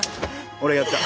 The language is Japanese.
俺がやった。